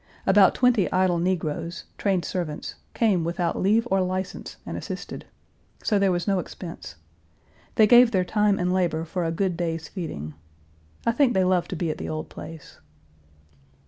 About twenty idle negroes, trained servants, came without leave or license and assisted. So there was no expense. They gave their time and labor for a good day's feeding. I think they love to be at the old place.